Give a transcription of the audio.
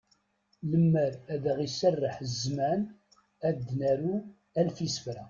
Limer ad aɣ-iserreḥ zzman, ad d-naru alef isefra.